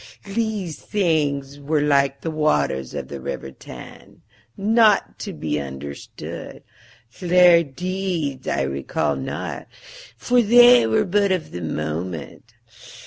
These beings were like the waters of the river Than, not to be understood. Their deeds I recall not, for they were but of the moment.